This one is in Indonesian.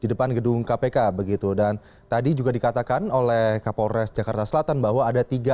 di depan gedung kpk begitu dan tadi juga dikatakan oleh kapolres jakarta selatan bahwa ada tiga